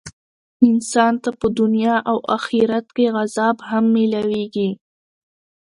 انسان ته په دنيا او آخرت کي عذاب هم ميلاويږي .